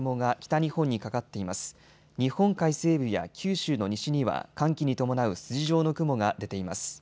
日本海西部や九州の西には寒気に伴う筋状の雲が出ています。